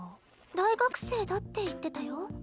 大学生だって言ってたよ。